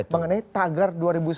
mengenai tagar dua ribu sembilan belas